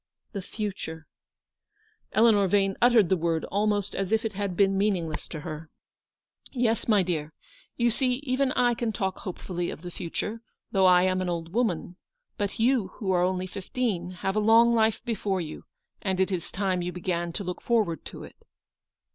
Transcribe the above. " The future !" Eleanor Vane uttered the word almost as if it had been meaningless to her. " Yes, my dear. You see even I can talk hope fully of the future, though I am an old woman ; but you, who are only fifteen, have a long life before you, and it is time you began to look forward to it."